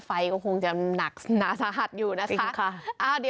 ไฟก็คงจะหนักหนาสาหัสอยู่นะคะใช่ค่ะอ่าเดี๋ยว